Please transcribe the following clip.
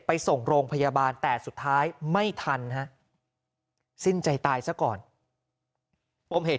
ไปส่งโรงพยาบาลแต่สุดท้ายไม่ทันฮะสิ้นใจตายซะก่อนปมเหตุ